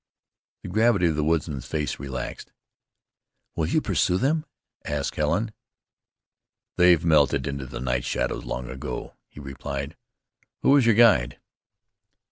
The gravity of the woodsman's face relaxed. "You will pursue them?" asked Helen. "They've melted into the night shadows long ago," he replied. "Who was your guide?"